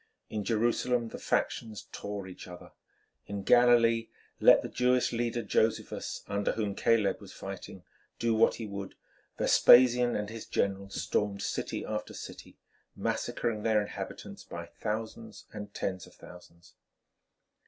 In Jerusalem the factions tore each other. In Galilee let the Jewish leader Josephus, under whom Caleb was fighting, do what he would, Vespasian and his generals stormed city after city, massacring their inhabitants by thousands and tens of thousands.